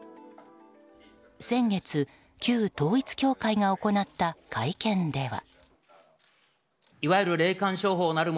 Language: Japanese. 先月旧統一教会が行った会見では。